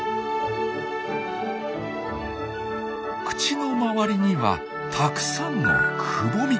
口の周りにはたくさんのくぼみ。